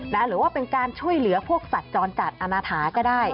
หรือว่าเป็นการช่วยเหลือพวกสัตว์จรจัดอนาถาก็ได้